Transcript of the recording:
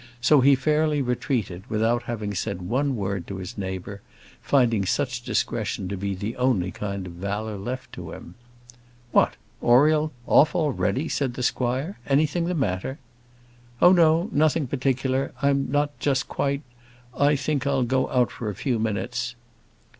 So he fairly retreated, without having said one word to his neighbour, finding such discretion to be the only kind of valour left to him. "What, Oriel! off already?" said the squire. "Anything the matter?" "Oh, no; nothing particular. I'm not just quite I think I'll go out for a few minutes."